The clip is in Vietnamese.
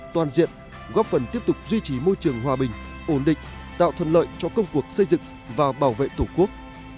toàn diện góp phần tiếp tục duy trì môi trường hòa bình ổn định tạo thuận lợi cho công cuộc xây dựng và bảo vệ tổ quốc